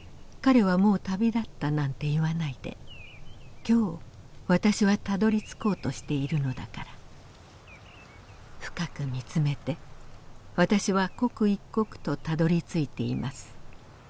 『彼はもう旅立った』なんて言わないで今日私はたどりつこうとしているのだから深く見つめて私は刻一刻とたどりついています